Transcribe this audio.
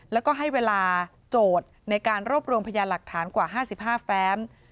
แล้วก็ให้เวลาโจทย์ในการรวบรวมพยานหลักฐานกว่า๕๕แฟ้ม